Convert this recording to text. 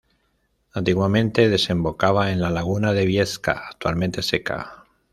Antiguamente desembocaba en la laguna de Viesca, actualmente seca.